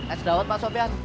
es daun pak sopyan